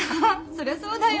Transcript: そりゃそうだよね。